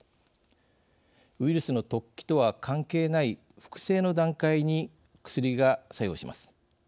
ウイルスの突起とは関係ない複製の段階に薬が作用します。